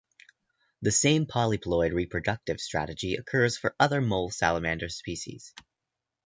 The same polyploid reproductive strategy occurs for other mole salamander species.